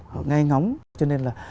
họ ngay ngóng cho nên là